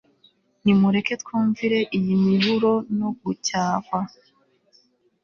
Nimureke twumvire iyi miburo no gucyahwa